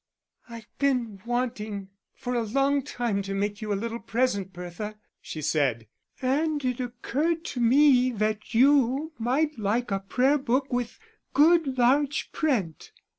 "I've been wanting for a long time to make you a little present, Bertha," she said, "and it occurred to me that you might like a prayer book with good large print.